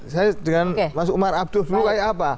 saya dengan mas umar abduh dulu kayak apa